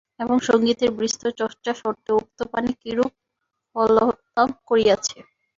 এবং সংগীতের বিস্তর চর্চাসত্ত্বেও উক্ত প্রাণী কিরূপ ফললাভ করিয়াছে।